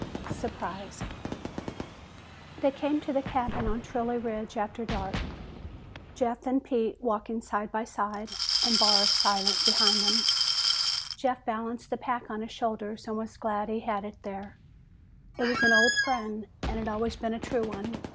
SURPRISE They came to the cabin on Trilley Ridge after dark, Jeff and Pete walking side by side and Barr silent behind them. Jeff balanced the pack on his shoulders and was glad he had it there. It was an old friend and had always been a true one.